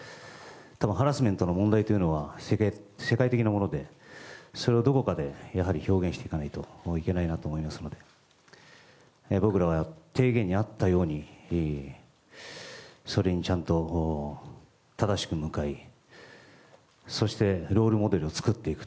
ただ、ハラスメントの問題というのは世界的なものでそれをどこかで表現していかないといけないなと思いますので僕らは提言にあったようにそれにちゃんと正しく向かいそしてロールモデルを作っていく。